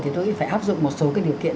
thì tôi phải áp dụng một số cái điều kiện